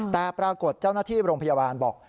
แต่ปรากฏเจ้าหน้าที่โรงพยาบาลบอก